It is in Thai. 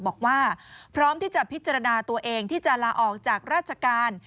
บอกว่าพร้อมที่จะพิจารณาตัวเองที่จะลาออกจากราชการ